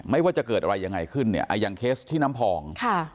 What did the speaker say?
ไม่ว่าจะเกิดอะไรยังไงขึ้นอย่างเคสที่น้ำพอง